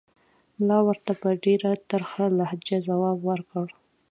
ملا ورته په ډېره ترخه لهجه ځواب ورکړ.